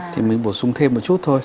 thì mình bổ sung thêm một chút thôi